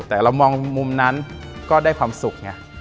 แต่เรามองมุมนั้นก็ได้ความสุขไง